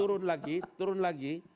turun lagi turun lagi